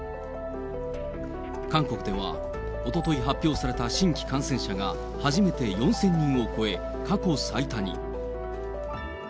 韓国では、おととい発表された新規感染者が初めて４０００人を超え、過去最多に。